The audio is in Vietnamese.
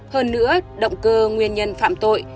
hơn nữa động cơ nguyên nhân phạm tội